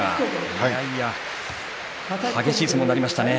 いやいや、激しい相撲になりましたね。